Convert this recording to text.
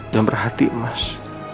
dan berhati mas